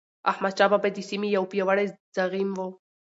احمدشاه بابا د سیمې یو پیاوړی زعیم و.